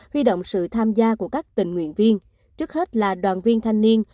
huy động sự tham gia của các tình nguyện viên trước hết là đoàn viên thanh niên